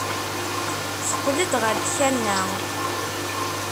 Teqqel-d ɣer tkanna.